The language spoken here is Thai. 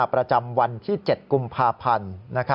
ประจำวันที่๗กุมภาพันธ์